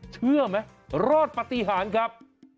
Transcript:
เชื่อไหมรอดปฏิหารครับ